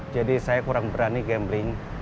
jadi saya kurang berani gambling